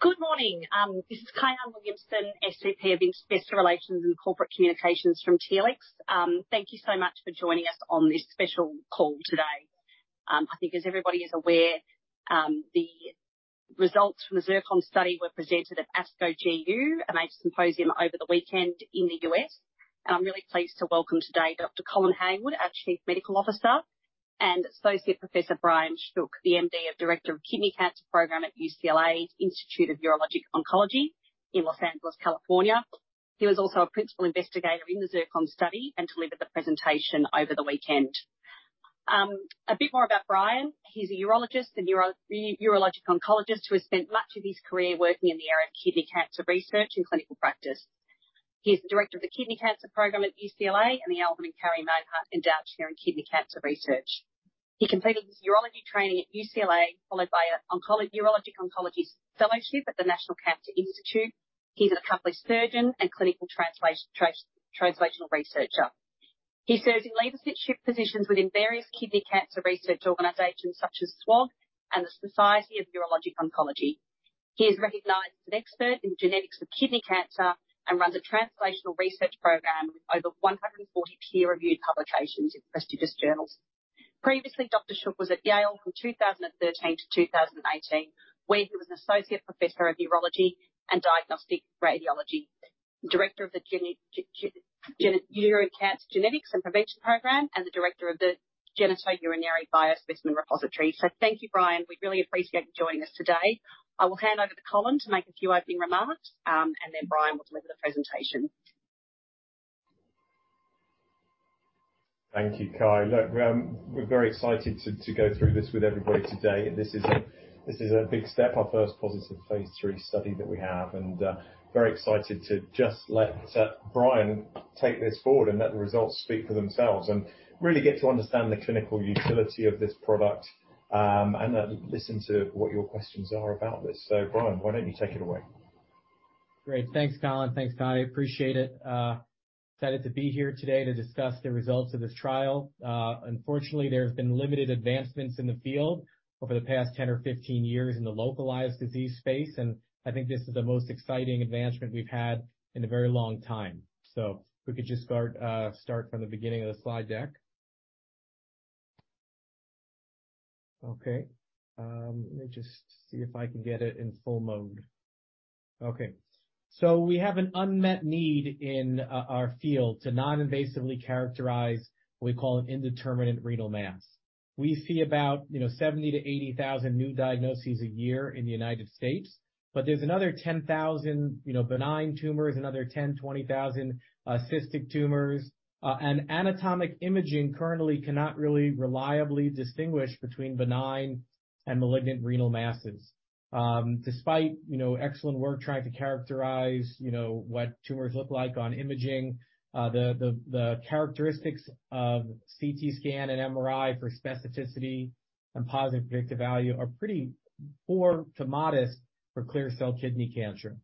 Good morning. This is Kyahn Williamson, SVP of Investor Relations and Corporate Communications from Telix. Thank you so much for joining us on this special call today. I think as everybody is aware, the results from the ZIRCON study were presented at ASCO GU Cancers Symposium, a major symposium over the weekend in the U.S. I'm really pleased to welcome today Dr. Colin Hayward, our Chief Medical Officer, and Associate Professor Brian Shuch, the MD of Director of Kidney Cancer Program at Institute of Urologic Oncology at UCLA in Los Angeles, California. He was also a principal investigator in the ZIRCON study and delivered the presentation over the weekend. A bit more about Brian. He's a urologist and urologic oncologist who has spent much of his career working in the area of kidney cancer research and clinical practice. He's the Director of the Kidney Cancer Program at UCLA and the Alvin & Carrie Meinhardt Endowed Chair in Kidney Cancer Research. He completed his urology training at UCLA, followed by a urologic oncology fellowship at the National Cancer Institute. He's an accomplished surgeon and translational researcher. He serves in leadership positions within various kidney cancer research organizations such as SWOG and the Society of Urologic Oncology. He is recognized as an expert in genetics of kidney cancer and runs a translational research program with over 140 peer-reviewed publications in prestigious journals. Previously, Dr. Shuch was at Yale University from 2013 to 2018, where he was an associate professor of urology and diagnostic radiology, director of the Urologic Cancer Genetics and Prevention Program, and the Director of the Genitourinary Biospecimen Repository. Thank you, Brian. We really appreciate you joining us today. I will hand over to Colin to make a few opening remarks. Then Brian will deliver the presentation. Thank you, Kyahn. Look, we're very excited to go through this with everybody today. This is a big step, our first positive phase three study that we have, and very excited to just let Brian take this forward and let the results speak for themselves and really get to understand the clinical utility of this product, and then listen to what your questions are about this. Brian, why don't you take it away? Great. Thanks, Colin. Thanks, Kyahn. Appreciate it. Excited to be here today to discuss the results of this trial. Unfortunately, there have been limited advancements in the field over the past 10 or 15 years in the localized disease space, I think this is the most exciting advancement we've had in a very long time. If we could just start from the beginning of the slide deck. Okay. Let me just see if I can get it in full mode. Okay. We have an unmet need in our field to non-invasively characterize what we call an indeterminate renal mass. We see about, you know, 70,000 to 80,000 new diagnoses a year in the United States, there's another 10,000, you know, benign tumors, another 10,000, 20,000 cystic tumors. anatomic imaging currently cannot really reliably distinguish between benign and malignant renal masses. Despite, you know, excellent work trying to characterize, you know, what tumors look like on imaging, the, the characteristics of CT scan and MRI for specificity and positive predictive value are pretty poor to modest for clear cell kidney cancer.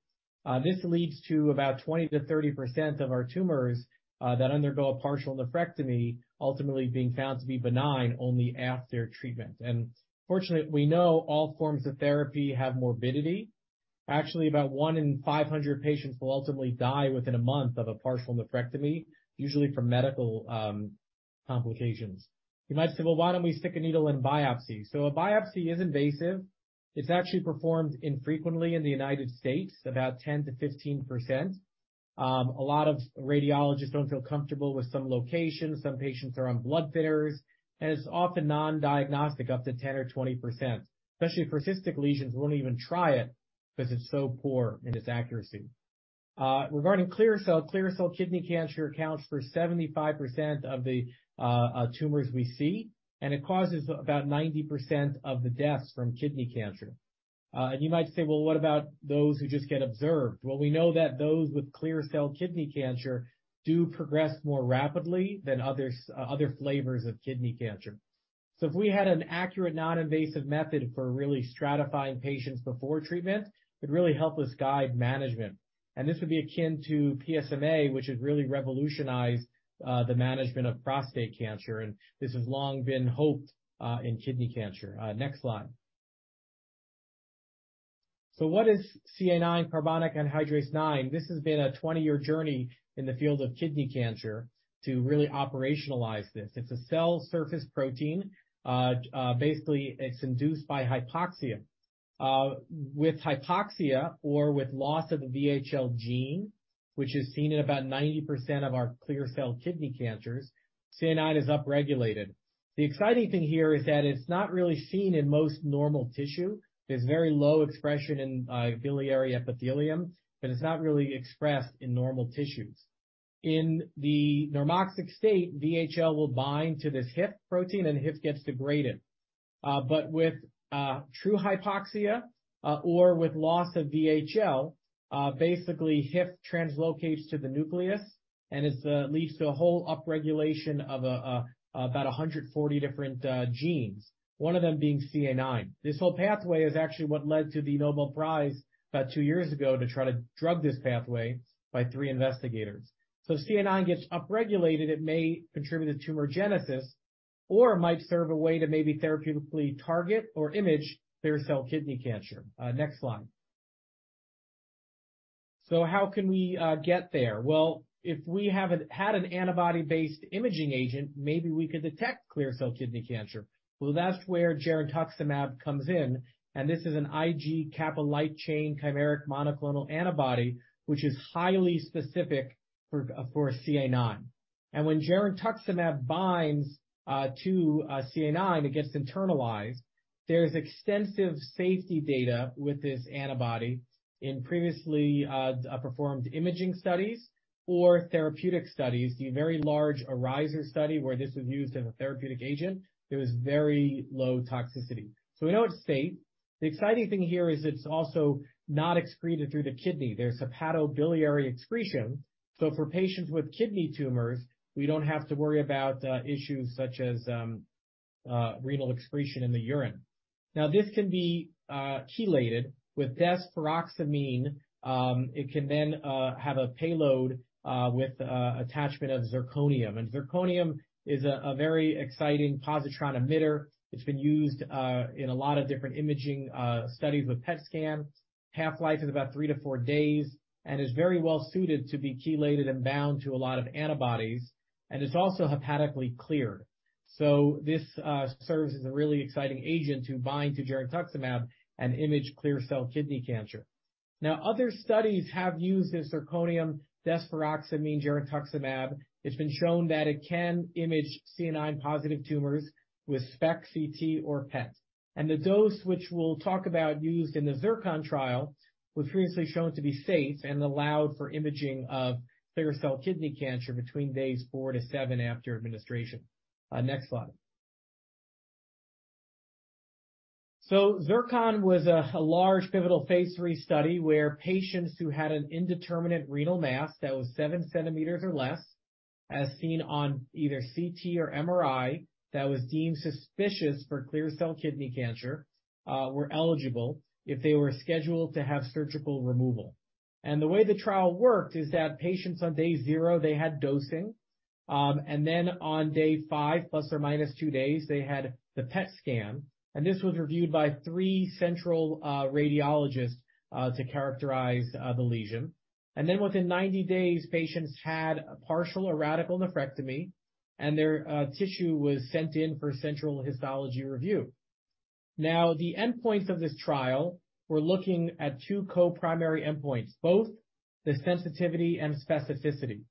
This leads to about 20%-30% of our tumors that undergo a partial nephrectomy ultimately being found to be benign only after treatment. Unfortunately, we know all forms of therapy have morbidity. Actually, about 1 in 500 patients will ultimately die within a month of a partial nephrectomy, usually from medical complications. You might say, "Well, why don't we stick a needle in biopsy?" A biopsy is invasive. It's actually performed infrequently in the United States, about 10%-15%. A lot of radiologists don't feel comfortable with some locations, some patients are on blood thinners, and it's often non-diagnostic, up to 10% or 20%. Especially for cystic lesions, we don't even try it because it's so poor in its accuracy. Regarding clear cell, clear cell kidney cancer accounts for 75% of the tumors we see, and it causes about 90% of the deaths from kidney cancer. You might say, "Well, what about those who just get observed?" Well, we know that those with clear cell kidney cancer do progress more rapidly than others, other flavors of kidney cancer. If we had an accurate, non-invasive method for really stratifying patients before treatment, it'd really help us guide management. This would be akin to PSMA, which has really revolutionized the management of prostate cancer. This has long been hoped in kidney cancer. Next slide. What is CA9 Carbonic Anhydrase IX? This has been a 20-year journey in the field of kidney cancer to really operationalize this. It's a cell surface protein. Basically, it's induced by hypoxia. With hypoxia or with loss of the VHL gene, which is seen in about 90% of our clear cell kidney cancers, CA9 is upregulated. The exciting thing here is that it's not really seen in most normal tissue. There's very low expression in biliary epithelium, but it's not really expressed in normal tissues. In the normoxic state, VHL will bind to this HIF protein, and HIF gets degraded. With true hypoxia, or with loss of VHL, basically HIF translocates to the nucleus and it leads to a whole upregulation of about 140 different genes, one of them being CA9. This whole pathway is actually what led to the Nobel Prize about two years ago to try to drug this pathway by three investigators. Might serve a way to maybe therapeutically target or image clear cell kidney cancer. Next slide. How can we get there? If we had an antibody-based imaging agent, maybe we could detect clear cell kidney cancer. That's where girentuximab comes in, and this is an Ig kappa light chain chimeric monoclonal antibody, which is highly specific for CA9. When girentuximab binds to CA9, it gets internalized. There's extensive safety data with this antibody in previously performed imaging studies or therapeutic studies. The very large ARISER study, where this was used as a therapeutic agent, it was very low toxicity. We know it's safe. The exciting thing here is it's also not excreted through the kidney. There's hepatobiliary excretion. For patients with kidney tumors, we don't have to worry about issues such as renal excretion in the urine. This can be chelated with desferrioxamine. It can have a payload with attachment of zirconium. Zirconium is a very exciting positron emitter. It's been used in a lot of different imaging studies with PET scan. Half-life is about three to four days, and is very well suited to be chelated and bound to a lot of antibodies, and it's also hepatically cleared. This serves as a really exciting agent to bind to girentuximab and image clear cell kidney cancer. Now, other studies have used this zirconium-desferrioxamine-girentuximab. It's been shown that it can image CA9-positive tumors with SPECT, CT, or PET. The dose which we'll talk about used in the ZIRCON trial was previously shown to be safe and allowed for imaging of clear cell kidney cancer between days four to seven after administration. Next slide. ZIRCON was a large pivotal Phase III study where patients who had an indeterminate renal mass that was 7 cm or less, as seen on either CT or MRI, that was deemed suspicious for clear cell kidney cancer, were eligible if they were scheduled to have surgical removal. The way the trial worked is that patients on day 0, they had dosing. On day five, ±two days, they had the PET scan. This was reviewed by 3 central radiologists to characterize the lesion. Within 90 days, patients had a partial or radical nephrectomy, and their tissue was sent in for central histology review. The endpoints of this trial were looking at two co-primary endpoints, both the sensitivity and specificity.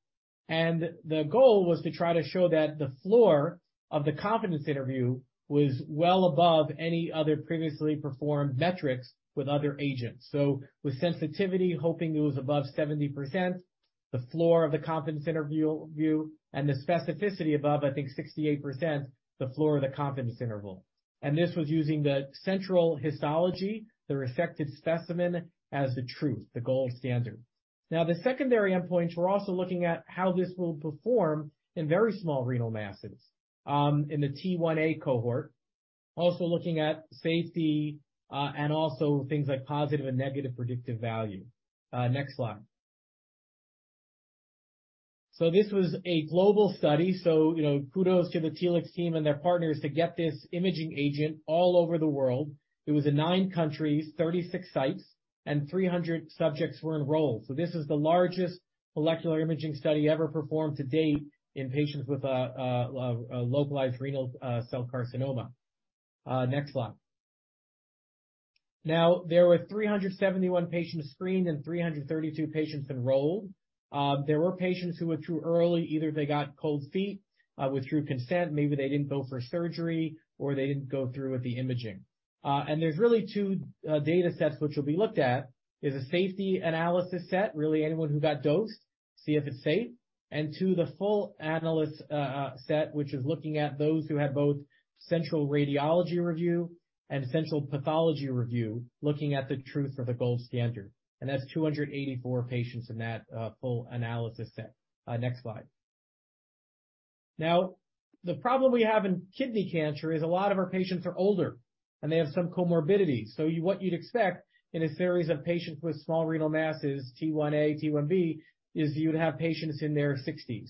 The goal was to try to show that the floor of the confidence interval was well above any other previously performed metrics with other agents. With sensitivity, hoping it was above 70%, the floor of the confidence interval view, and the specificity above, I think, 68% the floor of the confidence interval. This was using the central histology, the resected specimen, as the truth, the gold standard. Now the secondary endpoints were also looking at how this will perform in very small renal masses, in the T1a cohort. Also looking at safety, and also things like positive and negative predictive value. Next slide. This was a global study, so you know, kudos to the Telix team and their partners to get this imaging agent all over the world. It was in nine countries, 36 sites, and 300 subjects were enrolled. This is the largest molecular imaging study ever performed to date in patients with a localized renal cell carcinoma. Next slide. There were 371 patients screened and 332 patients enrolled. There were patients who withdrew early. Either they got cold feet, withdrew consent, maybe they didn't go for surgery, or they didn't go through with the imaging. There's really two data sets which will be looked at. There's a safety analysis set, really anyone who got dosed, see if it's safe. Two, the full analyst set, which is looking at those who had both central radiology review and central pathology review, looking at the truth or the gold standard. That's 284 patients in that full analysis set. Next slide. The problem we have in kidney cancer is a lot of our patients are older, and they have some comorbidity. What you'd expect in a series of patients with small renal masses, T1a, T1b, is you'd have patients in their 60s.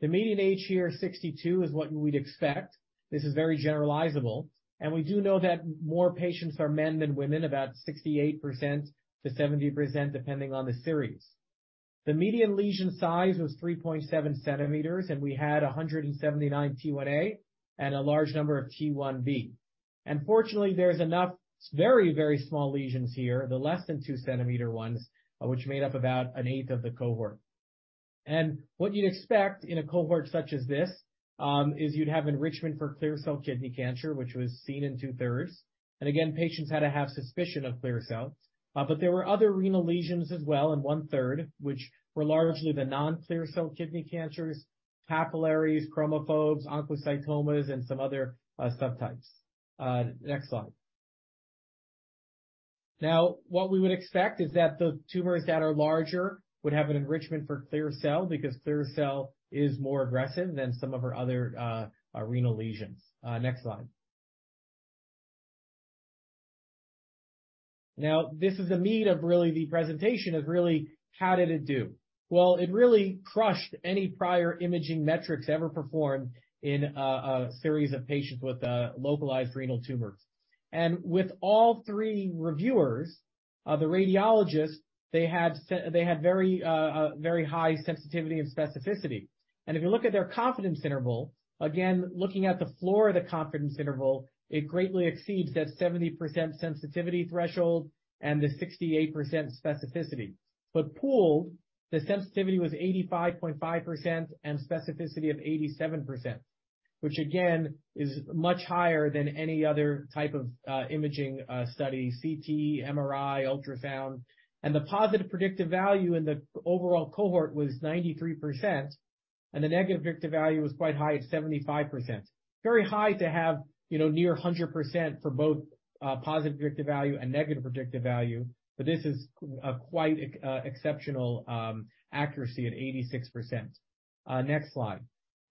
The median age here, 62, is what we'd expect. This is very generalizable. We do know that more patients are men than women, about 68%-70%, depending on the series. The median lesion size was 3.7 cm, and we had 179 T1a and a large number of T1b. Fortunately, there's enough very, very small lesions here, the less than 2 cm ones, which made up about an eighth of the cohort. What you'd expect in a cohort such as this, is you'd have enrichment for clear cell kidney cancer, which was seen in 2/3. Again, patients had to have suspicion of clear cell. But there were other renal lesions as well in 1/3, which were largely the non-clear cell kidney cancers, papillaries, chromophobes, oncocytomas, and some other subtypes. Next slide. What we would expect is that the tumors that are larger would have an enrichment for clear cell because clear cell is more aggressive than some of our other renal lesions. Next slide. This is the meat of really the presentation is really how did it do? Well, it really crushed any prior imaging metrics ever performed in a series of patients with localized renal tumors. With all three reviewers, the radiologists, they had very, very high sensitivity and specificity. If you look at their confidence interval, again, looking at the floor of the confidence interval, it greatly exceeds that 70% sensitivity threshold and the 68% specificity. Pooled, the sensitivity was 85.5% and specificity of 87%, which again, is much higher than any other type of imaging study, CT, MRI, ultrasound. The positive predictive value in the overall cohort was 93%, and the negative predictive value was quite high at 75%. Very high to have, you know, near 100% for both positive predictive value and negative predictive value, but this is quite exceptional accuracy at 86%. Next slide.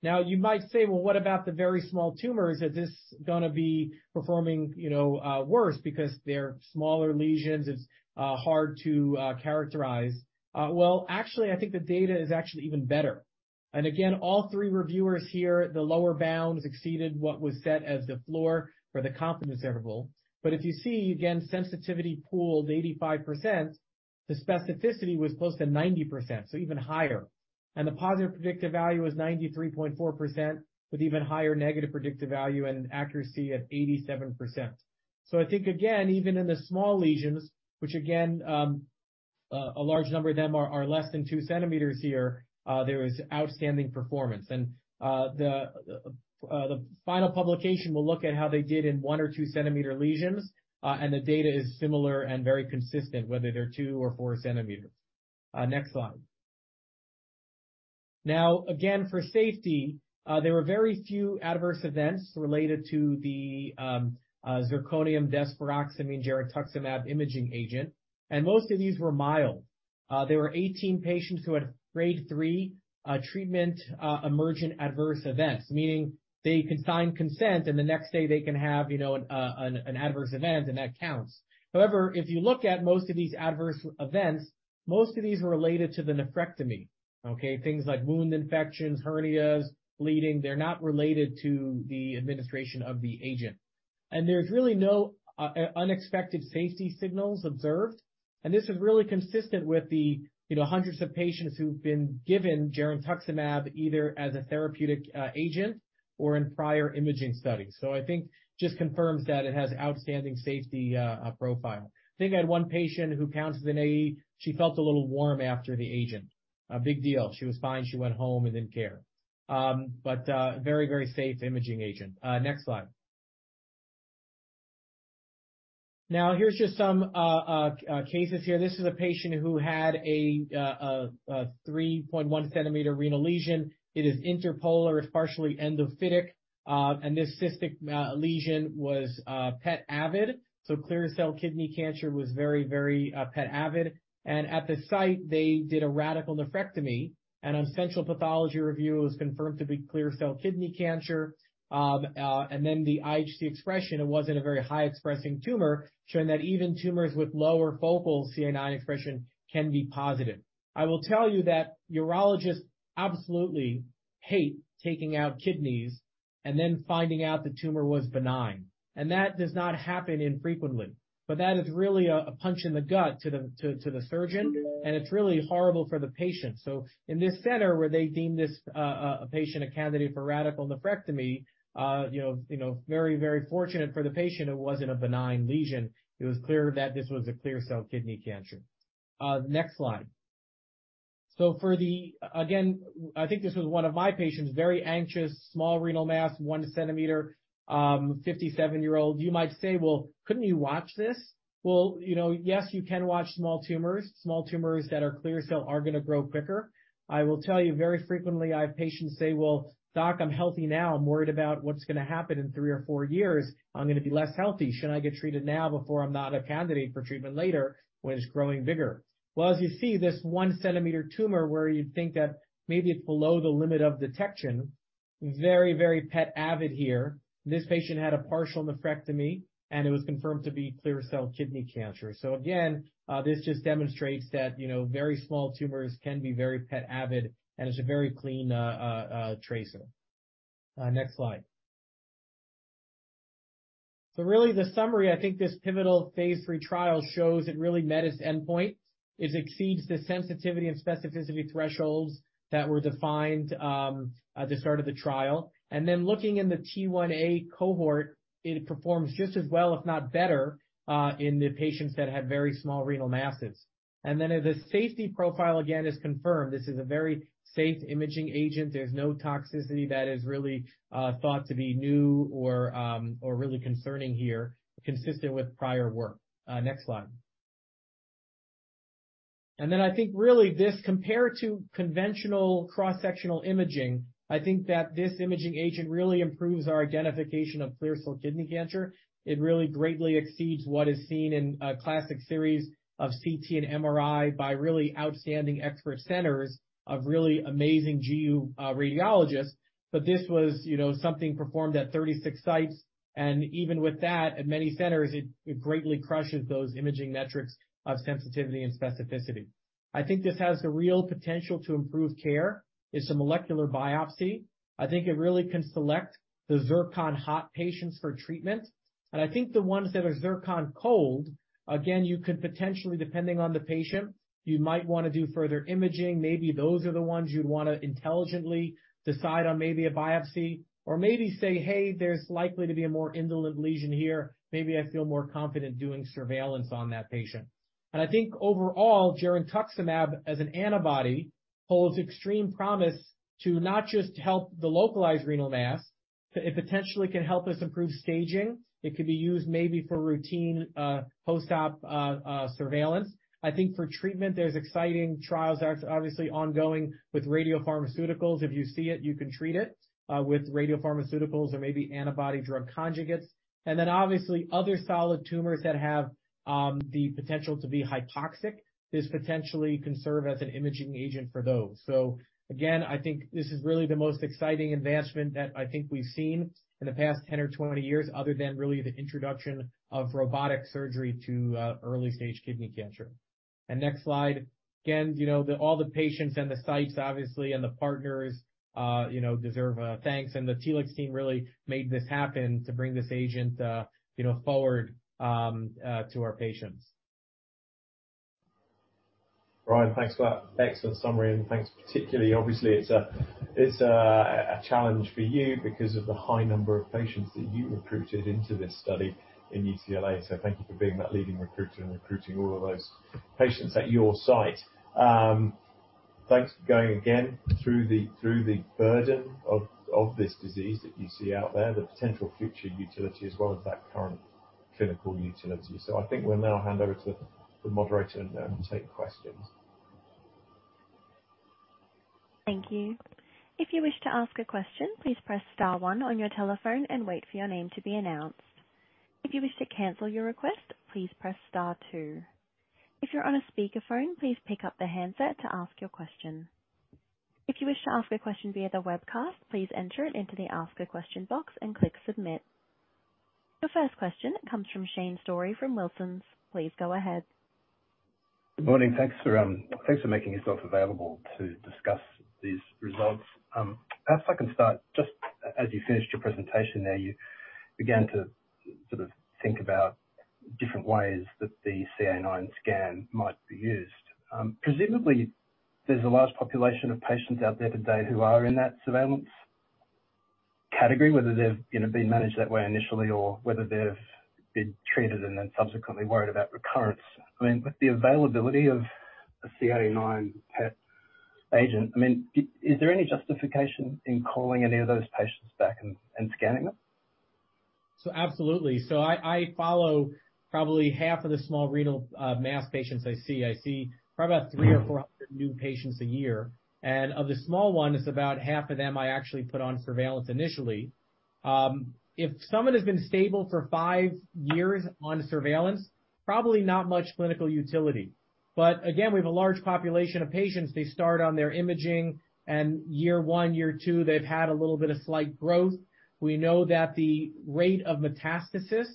You might say, "Well, what about the very small tumors? Is this gonna be performing, you know, worse because they're smaller lesions, it's hard to characterize? Well, actually, I think the data is actually even better. All three reviewers here, the lower bounds exceeded what was set as the floor for the confidence interval. Again, sensitivity pooled 85%, the specificity was close to 90%, so even higher. The positive predictive value was 93.4% with even higher negative predictive value and an accuracy of 87%. I think again, even in the small lesions, which again, a large number of them are less than 2 cm here, there is outstanding performance. The final publication will look at how they did in 1 or 2 cm lesions, and the data is similar and very consistent, whether they're 2 or 4 cm. Next slide. Now, again, for safety, there were very few adverse events related to the zirconium desferrioxamine girentuximab imaging agent, and most of these were mild. There were 18 patients who had grade three treatment emergent adverse events, meaning they can sign consent, and the next day they can have, you know, an adverse event, and that counts. However, if you look at most of these adverse events, most of these were related to the nephrectomy, okay? Things like wound infections, hernias, bleeding, they're not related to the administration of the agent. There's really no unexpected safety signals observed. This is really consistent with the, you know, hundreds of patients who've been given girentuximab either as a therapeutic agent or in prior imaging studies. I think just confirms that it has outstanding safety profile. I think I had one patient who counts as an AE. She felt a little warm after the agent. A big deal. She was fine. She went home and didn't care. Very, very safe imaging agent. Next slide. Here's just some cases here. This is a patient who had a 3.1 cm renal lesion. It is interpolar. It's partially endophytic. And this cystic lesion was PET avid. Clear cell kidney cancer was very, very PET avid. At the site, they did a radical nephrectomy, and on central pathology review, it was confirmed to be clear cell kidney cancer. Then the IHC expression, it wasn't a very high expressing tumor, showing that even tumors with lower focal CA9 expression can be positive. I will tell you that urologists absolutely hate taking out kidneys and then finding out the tumor was benign. That does not happen infrequently. That is really a punch in the gut to the surgeon, and it's really horrible for the patient. In this center where they deemed this a patient a candidate for radical nephrectomy, you know, very, very fortunate for the patient it wasn't a benign lesion. It was clear that this was a clear cell kidney cancer. Next slide. Again, I think this was one of my patients, very anxious, small renal mass, 1 cm, 57-year-old. You might say, "Well, couldn't you watch this?" Well, you know, yes, you can watch small tumors. Small tumors that are clear cell are gonna grow quicker. I will tell you very frequently, I have patients say, "Well, doc, I'm healthy now. I'm worried about what's gonna happen in three or four years. I'm gonna be less healthy. Should I get treated now before I'm not a candidate for treatment later when it's growing bigger?" Well, as you see, this 1 cm tumor where you'd think that maybe it's below the limit of detection, very, very PET avid here. This patient had a partial nephrectomy, and it was confirmed to be clear cell kidney cancer. Again, this just demonstrates that, you know, very small tumors can be very PET avid, and it's a very clean tracer. Next slide. Really the summary, I think this pivotal phase 3 trial shows it really met its endpoint. It exceeds the sensitivity and specificity thresholds that were defined at the start of the trial. Looking in the T1a cohort, it performs just as well, if not better, in the patients that had very small renal masses. The safety profile again is confirmed. This is a very safe imaging agent. There's no toxicity that is really thought to be new or really concerning here, consistent with prior work. Next slide. Then I think really this compared to conventional cross-sectional imaging, I think that this imaging agent really improves our identification of clear cell kidney cancer. It really greatly exceeds what is seen in a classic series of CT and MRI by really outstanding expert centers of really amazing GU radiologists. This was, you know, something performed at 36 sites, and even with that, at many centers, it greatly crushes those imaging metrics of sensitivity and specificity. I think this has the real potential to improve care. It's a molecular biopsy. I think it really can select the Zircon hot patients for treatment. I think the ones that are Zircon cold, again, you could potentially depending on the patient, you might wanna do further imaging. Maybe those are the ones you'd wanna intelligently decide on maybe a biopsy or maybe say, "Hey, there's likely to be a more indolent lesion here. Maybe I feel more confident doing surveillance on that patient." I think overall, girentuximab as an antibody holds extreme promise to not just help the localized renal mass, but it potentially can help us improve staging. It could be used maybe for routine post-op surveillance. I think for treatment, there's exciting trials that are obviously ongoing with radiopharmaceuticals. If you see it, you can treat it with radiopharmaceuticals or maybe antibody drug conjugates. Then obviously other solid tumors that have the potential to be hypoxic, this potentially can serve as an imaging agent for those. Again, I think this is really the most exciting advancement that I think we've seen in the past 10 or 20 years, other than really the introduction of robotic surgery to early-stage kidney cancer. Next slide. Again, you know, the, all the patients and the sites obviously and the partners, you know, deserve a thanks, and the Telix team really made this happen to bring this agent, you know, forward to our patients. Brian, thanks for that excellent summary. Thanks particularly. Obviously, it's a challenge for you because of the high number of patients that you recruited into this study in UCLA, so thank you for being that leading recruiter and recruiting all of those patients at your site. Thanks for going again through the burden of this disease that you see out there, the potential future utility as well as that current clinical utility. I think we'll now hand over to the moderator and then take questions. Thank you. If you wish to ask a question, please press star one on your telephone and wait for your name to be announced. If you wish to cancel your request, please press star two. If you're on a speakerphone, please pick up the handset to ask your question. If you wish to ask a question via the webcast, please enter it into the Ask a Question box and click Submit. The first question comes from Shane Storey from Wilsons. Please go ahead. Good morning. Thanks for, thanks for making yourself available to discuss these results. Perhaps I can start just as you finished your presentation there, you began to sort of think about different ways that the CA-IX scan might be used. Presumably, there's a large population of patients out there today who are in that surveillance category, whether they've, you know, been managed that way initially or whether they've been treated and then subsequently worried about recurrence. I mean, with the availability of a CA-IX PET agent, I mean, is there any justification in calling any of those patients back and scanning them? Absolutely. I follow probably half of the small renal mass patients I see. I see probably about 300 or 400 new patients a year. Of the small ones, about half of them I actually put on surveillance initially. If someone has been stable for five years on surveillance, probably not much clinical utility. Again, we have a large population of patients, they start on their imaging, year one, year two, they've had a little bit of slight growth. We know that the rate of metastasis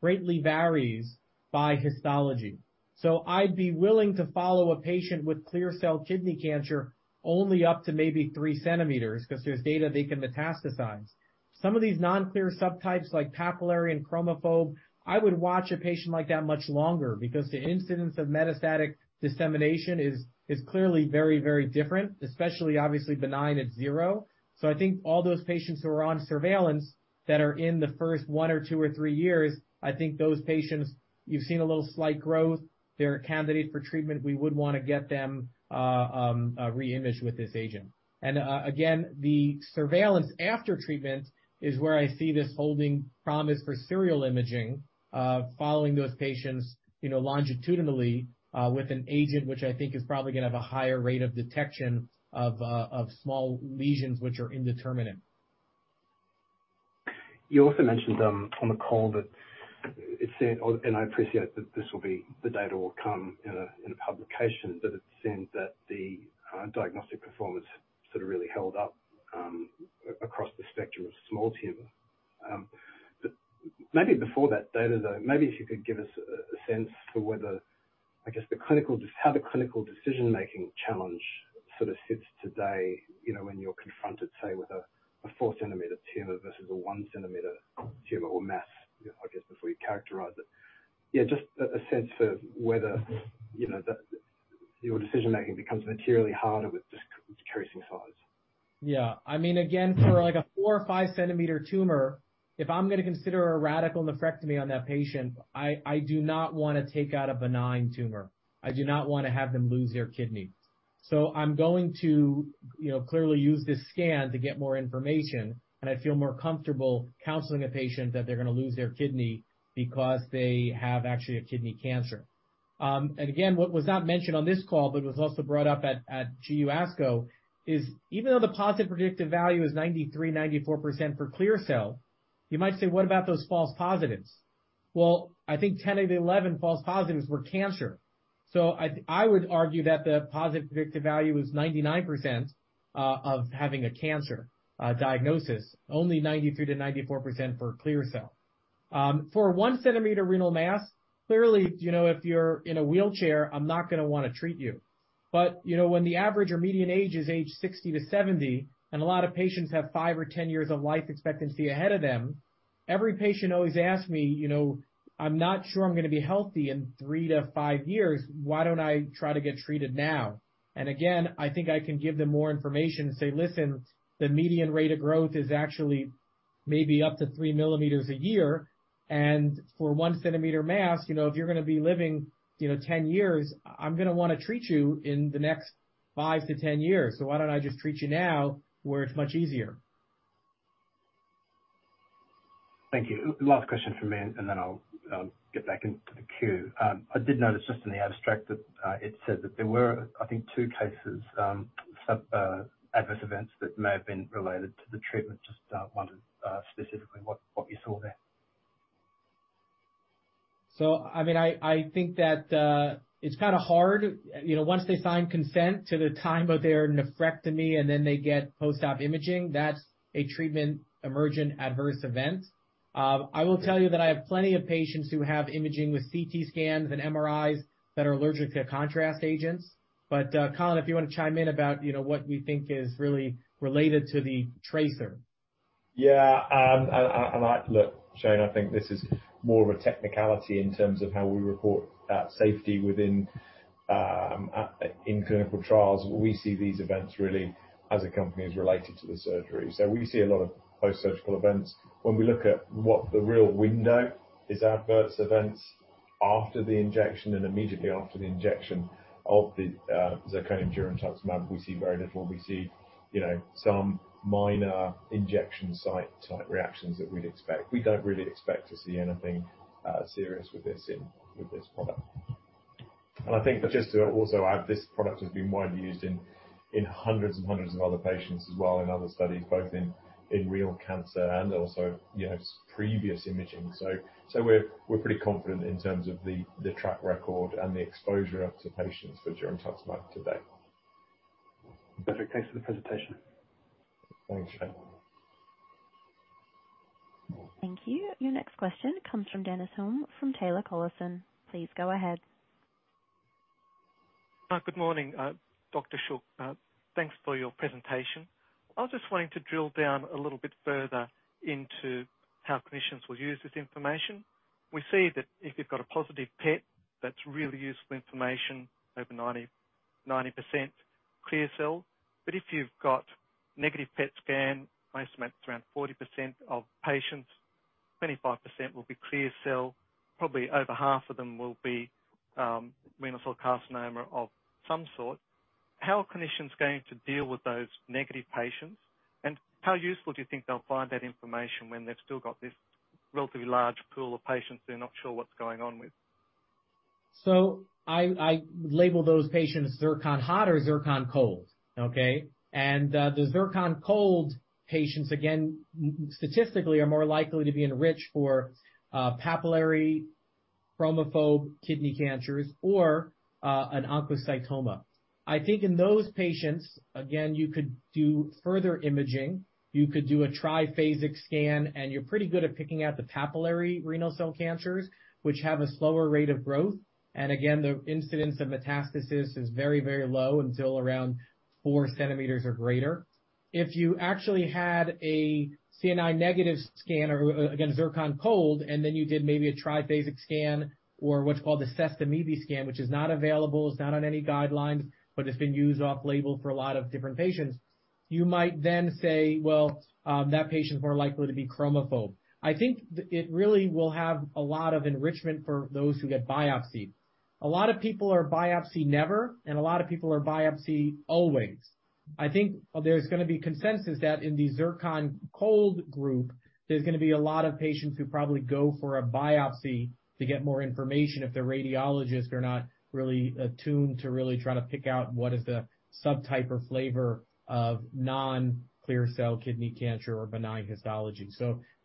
greatly varies by histology. I'd be willing to follow a patient with clear cell kidney cancer only up to maybe 3 cm 'cause there's data they can metastasize. Some of these non-clear subtypes like papillary and chromophobe, I would watch a patient like that much longer because the incidence of metastatic dissemination is clearly very, very different, especially obviously benign at 0. I think all those patients who are on surveillance that are in the first one or two or three years, I think those patients, you've seen a little slight growth, they're a candidate for treatment, we would wanna get them re-imaged with this agent. Again, the surveillance after treatment is where I see this holding promise for serial imaging, following those patients, you know, longitudinally, with an agent which I think is probably gonna have a higher rate of detection of small lesions which are indeterminate. You also mentioned on the call that it seemed, and I appreciate that this will be, the data will come in a publication, but it seemed that the diagnostic performance sort of really held up across the spectrum of small tumor. Maybe before that data, though, maybe if you could give us a sense for whether, I guess the clinical, how the clinical decision-making challenge sort of sits today, you know, when you're confronted, say, with a 4 cm tumor versus a 1 cm tumor or mass, you know, I guess, before you characterize it. Yeah, just a sense for whether, you know, the, your decision-making becomes materially harder with decreasing size. Yeah. I mean, again, for like 4 or 5cm tumor, if I'm gonna consider a radical nephrectomy on that patient, I do not wanna take out a benign tumor. I do not wanna have them lose their kidney. I'm going to, you know, clearly use this scan to get more information, and I feel more comfortable counseling a patient that they're gonna lose their kidney because they have actually a kidney cancer. Again, what was not mentioned on this call, but it was also brought up at GU ASCO, is even though the positive predictive value is 93%, 94% for clear cell, you might say, "What about those false positives?" Well, I think 10 of the 11 false positives were cancer. I would argue that the positive predictive value is 99% of having a cancer diagnosis, only 93%-94% for clear cell. For a 1 cm renal mass, clearly, you know, if you're in a wheelchair, I'm not gonna wanna treat you. But, you know, when the average or median age is age 60 to 70, and a lot of patients have five or 10 years of life expectancy ahead of them, every patient always asks me, you know, "I'm not sure I'm gonna be healthy in four to five years. Why don't I try to get treated now?" Again, I think I can give them more information and say, "Listen, the median rate of growth is actually maybe up to 3 mm a year. For 1 cm mass, you know, if you're gonna be living, you know, 10 years, I'm gonna wanna treat you in the next five to 10 years. Why don't I just treat you now where it's much easier? Thank you. Last question from me, and then I'll get back in to the queue. I did notice just in the abstract that it said that there were, I think, two cases, sub adverse events that may have been related to the treatment. Just wondered specifically what you saw there. I mean, I think that it's kinda hard, you know, once they sign consent to the time of their nephrectomy, and then they get post-op imaging, that's a treatment emergent adverse event. I will tell you that I have plenty of patients who have imaging with CT scans and MRIs that are allergic to contrast agents. Colin, if you wanna chime in about, you know, what we think is really related to the tracer? Look, Shane, I think this is more of a technicality in terms of how we report safety within in clinical trials. We see these events really as a company as related to the surgery. We see a lot of postsurgical events. When we look at what the real window is adverse events after the injection and immediately after the injection of the Zirconium girentuximab, we see very little. We see, you know, some minor injection site type reactions that we'd expect. We don't really expect to see anything serious with this product. I think just to also add, this product has been widely used in hundreds of other patients as well in other studies, both in renal cancer and also, you know, previous imaging. We're pretty confident in terms of the track record and the exposure to patients for girentuximab to date. Perfect. Thanks for the presentation. Thanks, Shane. Thank you. Your next question comes from Dennis Hulme from Taylor Collison. Please go ahead. Good morning, Dr. Shuch. Thanks for your presentation. I was just wanting to drill down a little bit further into how clinicians will use this information. We see that if you've got a positive PET, that's really useful information, over 90% clear cell. If you've got negative PET scan, my estimate is around 40% of patients, 25% will be clear cell, probably over half of them will be renal cell carcinoma of some sort. How are clinicians going to deal with those negative patients, and how useful do you think they'll find that information when they've still got this relatively large pool of patients they're not sure what's going on with? I label those patients zirconium-PET positive or zirconium-PET negative. Okay? The zirconium-PET negative patients, again, statistically are more likely to be enriched for papillary chromophobe kidney cancers or an oncocytoma. I think in those patients, again, you could do further imaging, you could do a triphasic scan, and you're pretty good at picking out the papillary renal cell cancers, which have a slower rate of growth. Again, the incidence of metastasis is very, very low until around 4 centimeters or greater. You actually had a C9 negative scan or, again, zirconium-PET negative, and then you did maybe a triphasic scan or what's called the sestamibi scan, which is not available, it's not on any guidelines, but it's been used off-label for a lot of different patients, you might then say, "Well, that patient is more likely to be chromophobe." It really will have a lot of enrichment for those who get biopsied. A lot of people are biopsied never, and a lot of people are biopsied always. There's gonna be consensus that in the zirconium-PET negative group, there's gonna be a lot of patients who probably go for a biopsy to get more information if the radiologists are not really attuned to really try to pick out what is the subtype or flavor of non-clear cell kidney cancer or benign histology.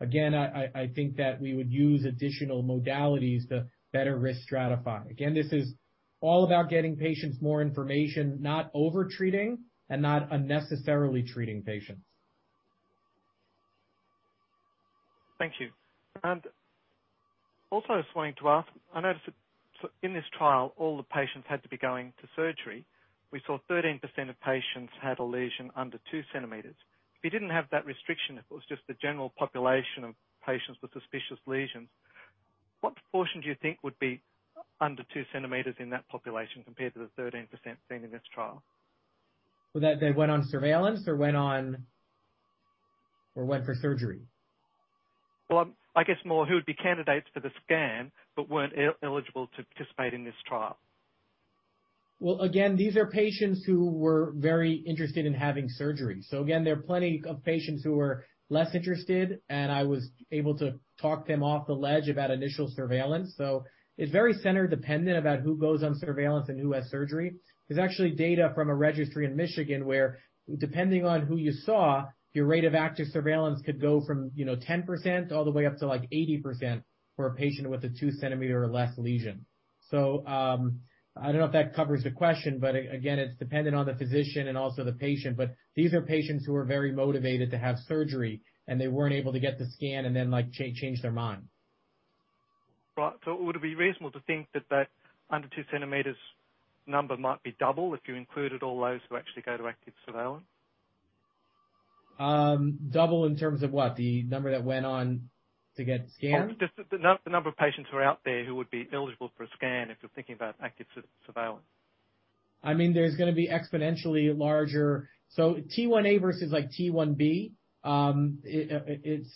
Again, I think that we would use additional modalities to better risk stratify. Again, this is all about getting patients more information, not over-treating and not unnecessarily treating patients. Thank you. Also, I was wanting to ask, I noticed that so in this trial, all the patients had to be going to surgery. We saw 13% of patients had a lesion under 2 cm. If you didn't have that restriction, if it was just the general population of patients with suspicious lesions, what proportion do you think would be under 2 cm in that population compared to the 13% seen in this trial? They went on surveillance or went for surgery? Well, I guess more who would be candidates for the scan but weren't eligible to participate in this trial. Well, again, these are patients who were very interested in having surgery. Again, there are plenty of patients who were less interested, and I was able to talk them off the ledge about initial surveillance. It's very center dependent about who goes on surveillance and who has surgery. There's actually data from a registry in Michigan where, depending on who you saw, your rate of active surveillance could go from, you know, 10% all the way up to, like, 80% for a patient with a 2 cm or less lesion. I don't know if that covers the question, but again, it's dependent on the physician and also the patient. These are patients who are very motivated to have surgery, and they weren't able to get the scan and then, like, change their mind. Right. Would it be reasonable to think that under 2 cm number might be double if you included all those who actually go to active surveillance? Double in terms of what? The number that went on to get scanned? Just the number of patients who are out there who would be eligible for a scan if you're thinking about active surveillance. I mean, there's gonna be exponentially larger. T1a versus like T1b, it's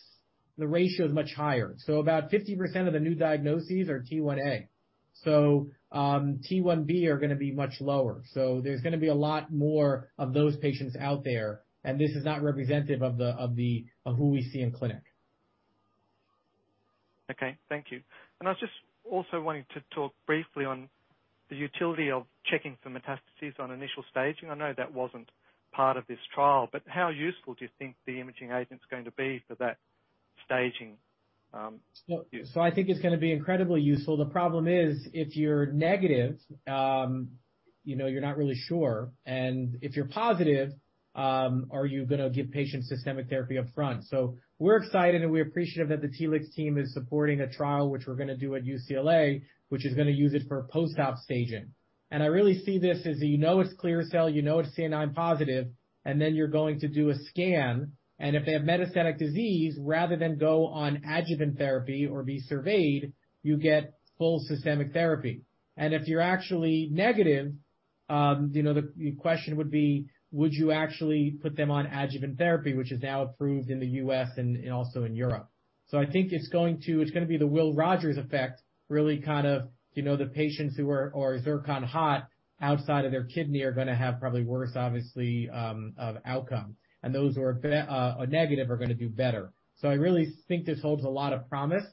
the ratio is much higher. About 50% of the new diagnoses are T1a. T1b are gonna be much lower. There's gonna be a lot more of those patients out there. This is not representative of the, of the, of who we see in clinic. Okay. Thank you. I was just also wanting to talk briefly on the utility of checking for metastases on initial staging. I know that wasn't part of this trial, but how useful do you think the imaging agent's going to be for that staging, use? I think it's gonna be incredibly useful. The problem is, if you're negative, you know, you're not really sure, and if you're positive, are you gonna give patients systemic therapy up front? We're excited, and we're appreciative that the Telix team is supporting a trial, which we're gonna do at UCLA, which is gonna use it for post-op staging. I really see this as, you know it's clear cell, you know it's CA9-positive, and then you're going to do a scan, and if they have metastatic disease, rather than go on adjuvant therapy or be surveyed, you get full systemic therapy. If you're actually negative, you know, the question would be, would you actually put them on adjuvant therapy, which is now approved in the U.S. and also in Europe. I think it's going to... It's going to be the Will Rogers phenomenon, really kind of, you know, the patients who are zirconium-PET positive outside of their kidney are going to have probably worse, obviously, of outcome. Those who are negative are going to do better. I really think this holds a lot of promise.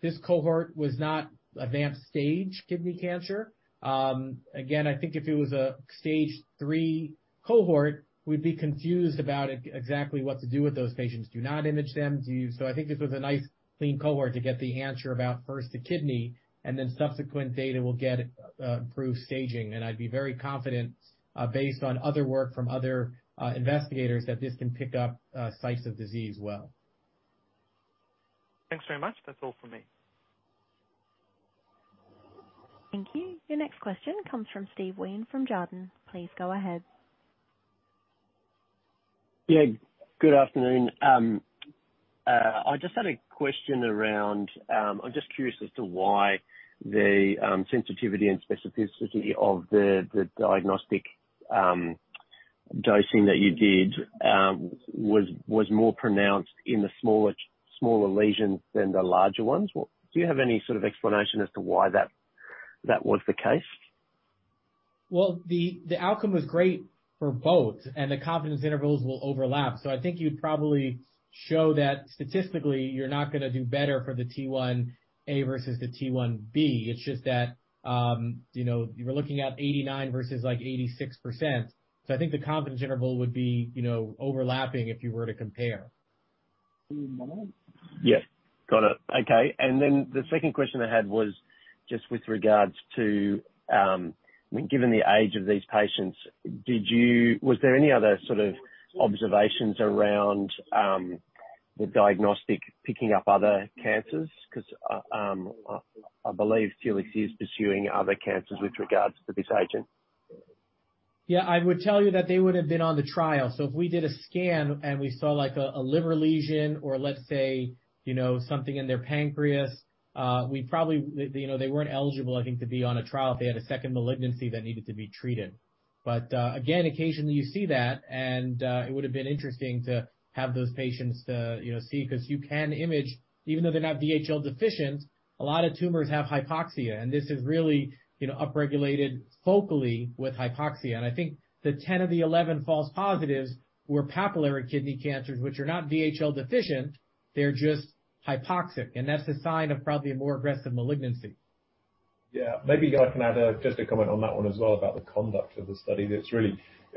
This cohort was not advanced stage kidney cancer. Again, I think if it was a stage three cohort, we'd be confused about exactly what to do with those patients. Do you not image them? I think this was a nice, clean cohort to get the answer about first, the kidney, and then subsequent data will get improved staging. I'd be very confident, based on other work from other investigators that this can pick up sites of disease well. Thanks very much. That's all for me. Thank you. Your next question comes from Steven Wheen from Jarden. Please go ahead. Good afternoon. I just had a question around. I'm just curious as to why the sensitivity and specificity of the diagnostic dosing that you did was more pronounced in the smaller lesions than the larger ones. Do you have any sort of explanation as to why that was the case? The, the outcome was great for both, and the confidence intervals will overlap. I think you'd probably show that statistically you're not gonna do better for the T1a versus the T1b. It's just that, you know, you were looking at 89 versus like 86%. I think the confidence interval would be, you know, overlapping if you were to compare. Yes. Got it. Okay. The second question I had was just with regards to, given the age of these patients, was there any other sort of observations around, the diagnostic picking up other cancers? 'Cause, I believe Telix is pursuing other cancers with regards to this agent. I would tell you that they would have been on the trial. If we did a scan and we saw, like, a liver lesion or let's say, you know, something in their pancreas. You know, they weren't eligible, I think, to be on a trial if they had a second malignancy that needed to be treated. Again, occasionally you see that, and it would have been interesting to have those patients to, you know, see, 'cause you can image. Even though they're not VHL deficient, a lot of tumors have hypoxia, and this is really, you know, upregulated focally with hypoxia. I think the 10 of the 11 false positives were papillary kidney cancers, which are not VHL deficient, they're just hypoxic, and that's a sign of probably a more aggressive malignancy. Yeah. Maybe I can add just a comment on that one as well, about the conduct of the study. It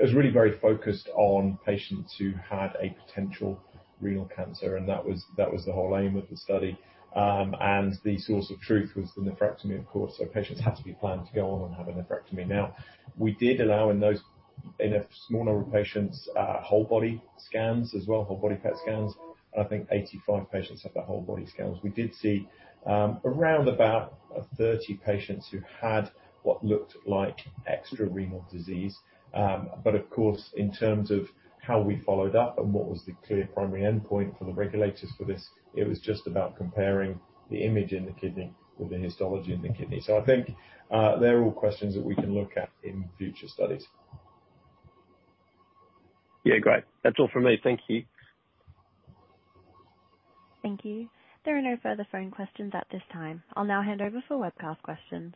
was really very focused on patients who had a potential renal cancer, and that was the whole aim of the study. The source of truth was the nephrectomy, of course, so patients had to be planned to go on and have a nephrectomy. Now, we did allow in those, in a small number of patients, whole body scans as well, whole body PET scans, and I think 85 patients have the whole body scans. We did see around about 30 patients who had what looked like extrarenal disease. Of course, in terms of how we followed up and what was the clear primary endpoint for the regulators for this, it was just about comparing the image in the kidney with the histology in the kidney. I think they're all questions that we can look at in future studies. Yeah, great. That's all from me. Thank you. Thank you. There are no further phone questions at this time. I'll now hand over for webcast questions.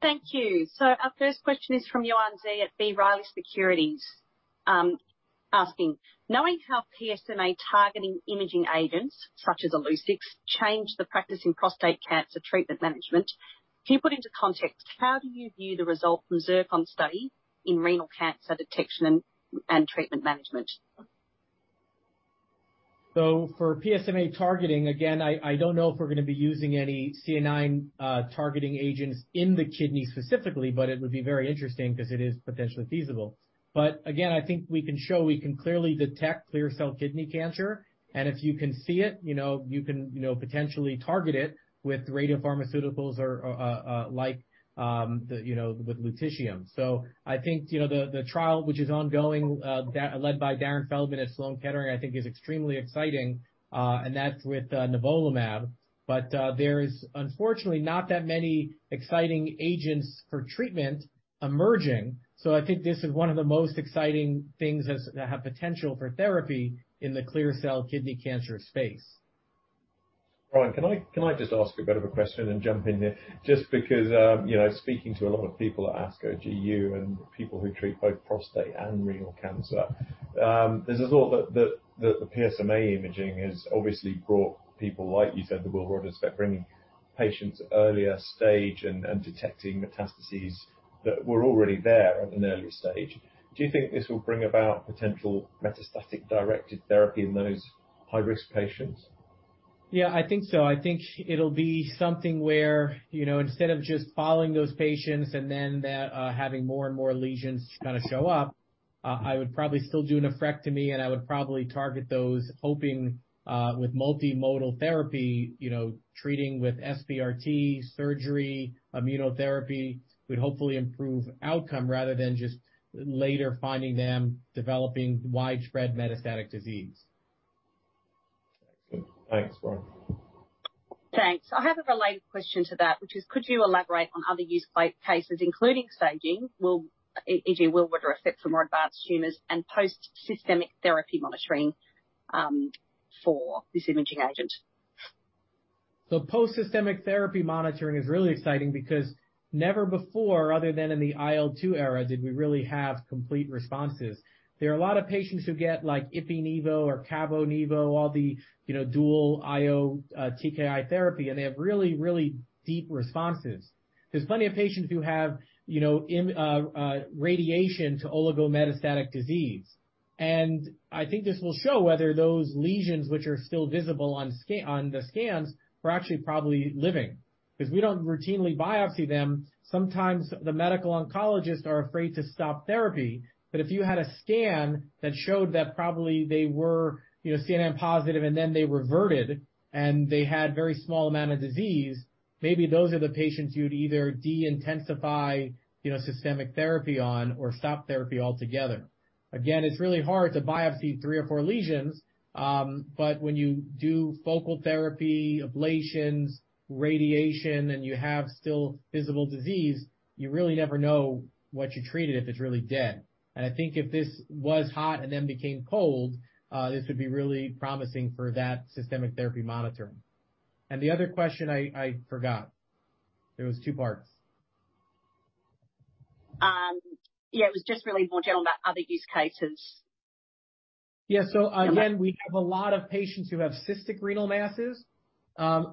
Thank you. Our first question is from Yuan Zhi at B. Riley Securities, asking, knowing how PSMA targeting imaging agents such as Illuccix change the practice in prostate cancer treatment management, can you put into context how do you view the result ZIRCON study in renal cancer detection and treatment management? For PSMA targeting, again, I don't know if we're gonna be using any C9 targeting agents in the kidney specifically, but it would be very interesting 'cause it is potentially feasible. Again, I think we can show we can clearly detect clear cell kidney cancer, and if you can see it, you know, you can, you know, potentially target it with radiopharmaceuticals or, like, you know, with lutetium. I think, you know, the trial which is ongoing, led by Darren Feldman at Memorial Sloan Kettering, I think is extremely exciting, and that's with nivolumab. There's unfortunately not that many exciting agents for treatment emerging, so I think this is one of the most exciting things that have potential for therapy in the clear cell kidney cancer space. Brian, can I, can I just ask a bit of a question and jump in here? Just because, you know, speaking to a lot of people at ASCO GU and people who treat both prostate and renal cancer, this is all the PSMA imaging has obviously brought people, like you said, the Will Rogers phenomenon, bringing patients earlier stage and detecting metastases that were already there at an early stage. Do you think this will bring about potential metastatic directed therapy in those high-risk patients? Yeah, I think so. I think it'll be something where, you know, instead of just following those patients and then the, having more and more lesions kinda show up, I would probably still do a nephrectomy, and I would probably target those hoping, with multimodal therapy, you know, treating with SBRT, surgery, immunotherapy, would hopefully improve outcome rather than just later finding them developing widespread metastatic disease. Excellent. Thanks, Brian. Thanks. I have a related question to that, which is could you elaborate on other use cases, including staging, e.g., Will Rogers phenomenon for more advanced tumors and post-systemic therapy monitoring for this imaging agent? Post-systemic therapy monitoring is really exciting because never before, other than in the IL-2 era, did we really have complete responses. There are a lot of patients who get like ipi-nivo or cabo-nivo, all the, you know, dual IO, TKI therapy, and they have really, really deep responses. There's plenty of patients who have, you know, radiation to oligometastatic disease. I think this will show whether those lesions which are still visible on the scans were actually probably living. 'Cause we don't routinely biopsy them, sometimes the medical oncologists are afraid to stop therapy, but if you had a scan that showed that probably they were, you know, CA9-positive and then they reverted and they had very small amount of disease, maybe those are the patients you'd either de-intensify, you know, systemic therapy on or stop therapy altogether. It's really hard to biopsy 3 or 4 lesions, but when you do focal therapy, ablations, radiation, and you have still visible disease, you really never know what you treated if it's really dead. I think if this was hot and then became cold, this would be really promising for that systemic therapy monitoring. The other question I forgot. There was two parts. Yeah, it was just really more general about other use cases. Yeah. Again, we have a lot of patients who have cystic renal masses.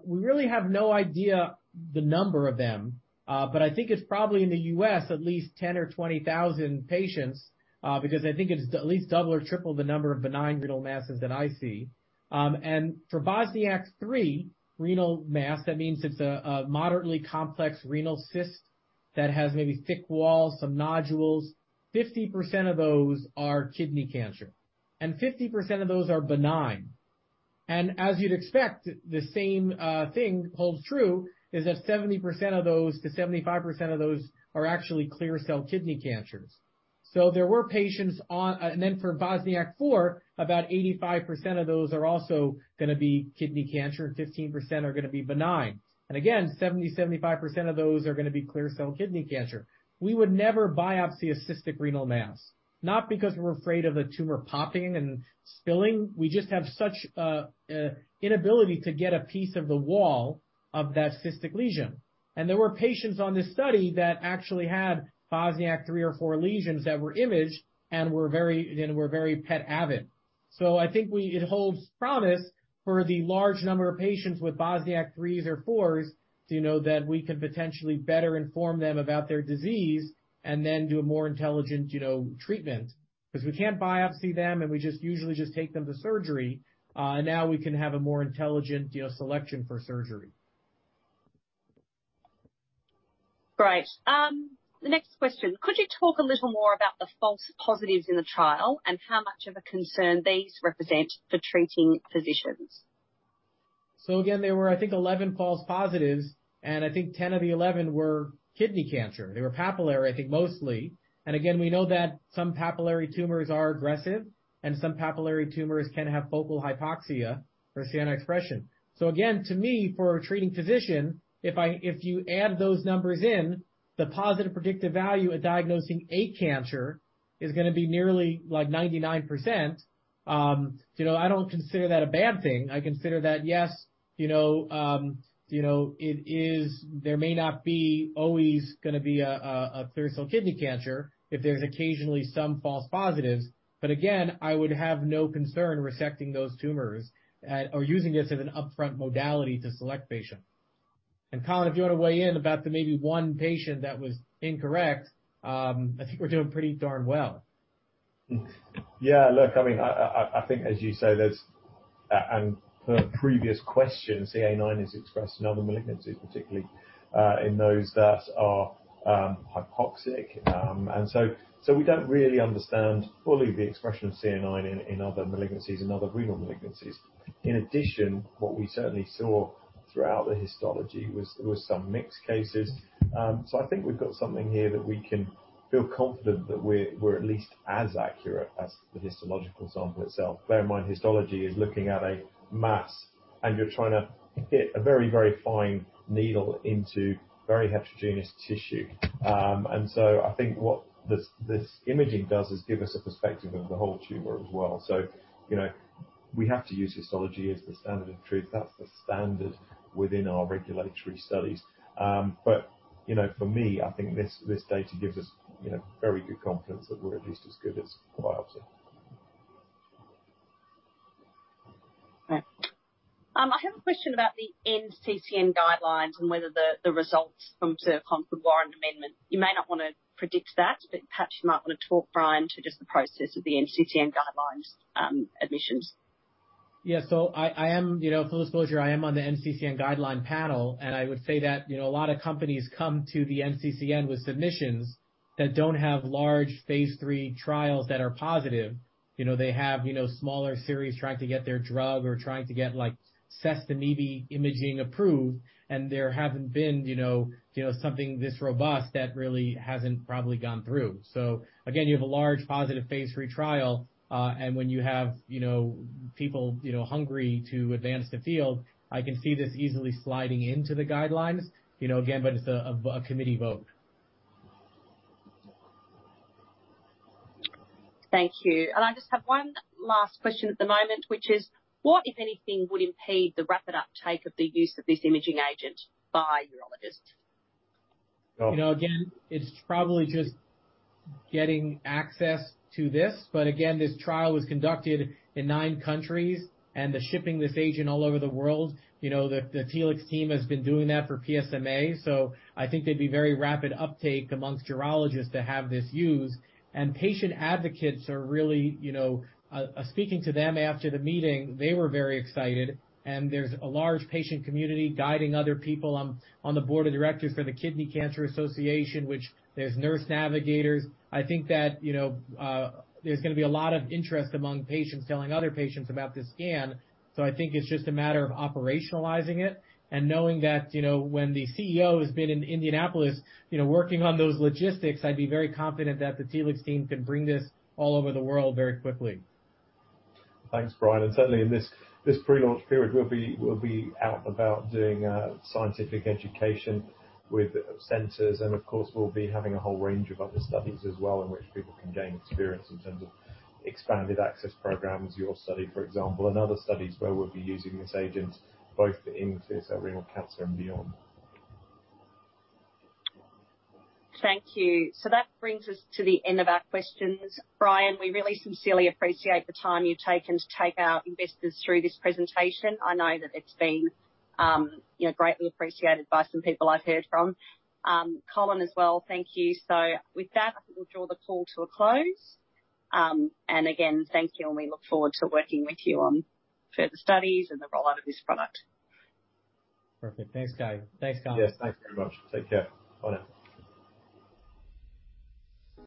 We really have no idea the number of them, but I think it's probably in the U.S. at least 10,000 or 20,000 patients, because I think it's at least double or triple the number of benign renal masses that I see. For Bosniak 3 renal mass, that means it's a moderately complex renal cyst that has maybe thick walls, some nodules. 50% of those are kidney cancer, and 50% of those are benign. As you'd expect, the same thing holds true is that 70% of those to 75% of those are actually clear cell kidney cancers. There were patients on... For Bosniak 4, about 85% of those are also gonna be kidney cancer and 15% are gonna be benign. Again, 70%-75% of those are gonna be clear cell kidney cancer. We would never biopsy a cystic renal mass, not because we're afraid of the tumor popping and spilling. We just have such a inability to get a piece of the wall of that cystic lesion. There were patients on this study that actually had Bosniak 3 or 4 lesions that were imaged and were very PET avid. I think it holds promise for the large number of patients with Bosniak 3s or 4s to know that we can potentially better inform them about their disease and then do a more intelligent, you know, treatment. 'Cause we can't biopsy them, and we just usually just take them to surgery, and now we can have a more intelligent, you know, selection for surgery. Great. The next question. Could you talk a little more about the false positives in the trial and how much of a concern these represent for treating physicians? Again, there were, I think, 11 false positives, and I think 10 of the 11 were kidney cancer. They were papillary, I think, mostly. Again, we know that some papillary tumors are aggressive, and some papillary tumors can have focal hypoxia or CA9 expression. Again, to me, for a treating physician, if I, if you add those numbers in, the positive predictive value of diagnosing a cancer is gonna be nearly like 99%. You know, I don't consider that a bad thing. I consider that, yes, you know, it is... There may not be always gonna be a clear cell kidney cancer if there's occasionally some false positives. Again, I would have no concern resecting those tumors at or using this as an upfront modality to select patients. Colin, if you wanna weigh in about the maybe one patient that was incorrect, I think we're doing pretty darn well. Look, I mean, I think as you say, there's, per previous question, CA9 is expressed in other malignancies, particularly in those that are hypoxic. We don't really understand fully the expression of CA9 in other malignancies and other renal malignancies. In addition, what we certainly saw throughout the histology was some mixed cases. I think we've got something here that we can feel confident that we're at least as accurate as the histological sample itself. Bear in mind, histology is looking at a mass, and you're trying to fit a very, very fine needle into very heterogeneous tissue. I think what this imaging does is give us a perspective of the whole tumor as well. You know, we have to use histology as the standard of truth. That's the standard within our regulatory studies. You know, for me, I think this data gives us, you know, very good confidence that we're at least as good as biopsy. Right. I have a question about the NCCN guidelines and whether the results from ZIRCON would warrant amendment. You may not wanna predict that, but perhaps you might wanna talk, Brian, to just the process of the NCCN guidelines, admissions. Yeah. I am, you know, full disclosure, I am on the NCCN guideline panel, and I would say that, you know, a lot of companies come to the NCCN with submissions that don't have large phase III trials that are positive. You know, they have, you know, smaller series trying to get their drug or trying to get like sestamibi imaging approved, and there haven't been, you know, something this robust that really hasn't probably gone through. Again, you have a large positive phase III trial, and when you have, you know, people, you know, hungry to advance the field, I can see this easily sliding into the guidelines. You know, again, it's a committee vote. Thank you. I just have one last question at the moment, which is what, if anything, would impede the rapid uptake of the use of this imaging agent by urologists? You know, again, it's probably just getting access to this, but again, this trial was conducted in nine countries, and the shipping this agent all over the world, you know, the Telix team has been doing that for PSMA, so I think there'd be very rapid uptake amongst urologists to have this used. Patient advocates are really, you know, speaking to them after the meeting, they were very excited, and there's a large patient community guiding other people on the board of directors for the Kidney Cancer Association, which there's nurse navigators. I think that, you know, there's gonna be a lot of interest among patients telling other patients about this scan. I think it's just a matter of operationalizing it and knowing that, you know, when the CEO has been in Indianapolis, you know, working on those logistics, I'd be very confident that the Telix team can bring this all over the world very quickly. Thanks, Brian. Certainly in this pre-launch period, we'll be out and about doing scientific education with centers, and of course, we'll be having a whole range of other studies as well in which people can gain experience in terms of expanded access programs. Your study, for example, and other studies where we'll be using this agent both in clear cell renal cancer and beyond. Thank you. That brings us to the end of our questions. Brian, we really sincerely appreciate the time you've taken to take our investors through this presentation. I know that it's been, you know, greatly appreciated by some people I've heard from. Colin as well, thank you. With that, I think we'll draw the call to a close. Again, thank you, and we look forward to working with you on further studies and the rollout of this product. Perfect. Thanks, Kyahn. Thanks, Colin. Yes, thanks very much. Take care. Bye now.